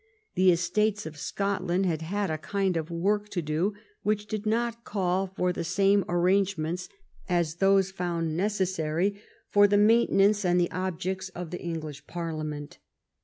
The Estates of Scotland had had a kind of work to do which did not call for the same arrangements as those found 266 FIRST PARLIAMENT OF THE UNION necessary for the maintenance and the objects of the English Parliament.